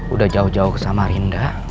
udah jauh jauh sama rinda